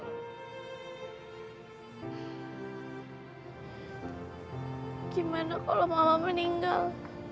gimana kalau mama meninggal